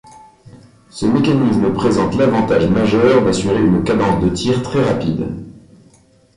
Ce mécanisme présente l'avantage majeur d'assurer une cadence de tir très rapide.